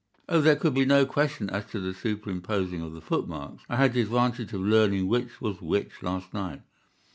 "Oh, there could be no question as to the superimposing of the footmarks. I had the advantage of learning which was which last night.